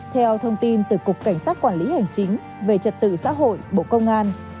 theo thông tin từ cục cảnh sát quản lý hành chính về trật tự xã hội bộ công an